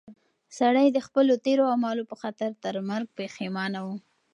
سړی د خپلو تېرو اعمالو په خاطر تر مرګ پښېمانه و.